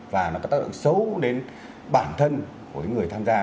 và nó có tác động xấu đến bản thân của người tham gia